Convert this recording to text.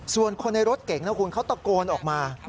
ส่วนคนในรถเก่งนะคุณเขาตะโกนออกมา